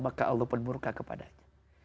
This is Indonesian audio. maka allah pun murka kepadanya